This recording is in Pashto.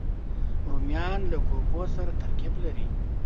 رومیان له کوکو سره ترکیب لري